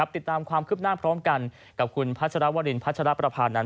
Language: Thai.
ติดตามความคืบหน้าพร้อมกันกับคุณพัชรวรินพัชรประพานันท